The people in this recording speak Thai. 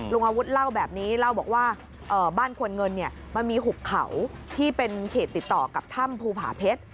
อาวุธเล่าแบบนี้เล่าบอกว่าบ้านควรเงินเนี่ยมันมีหุบเขาที่เป็นเขตติดต่อกับถ้ำภูผาเพชร